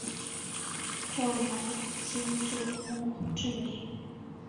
赵南星作墓志铭。